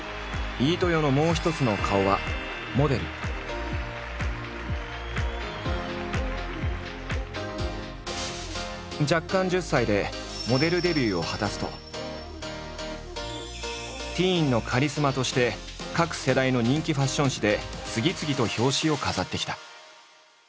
飯豊のもう一つの顔は弱冠１０歳でモデルデビューを果たすとティーンのカリスマとして各世代の人気ファッション誌で次々と表紙を飾ってきた。